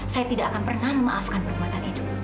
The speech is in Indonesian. saya tidak akan pernah memaafkan perbuatan itu